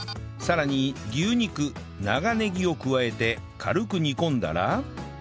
さらに牛肉長ネギを加えて軽く煮込んだら